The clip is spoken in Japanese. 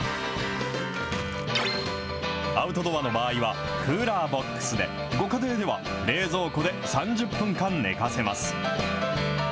アウトドアの場合はクーラーボックスで、ご家庭では冷蔵庫で３０分間寝かせます。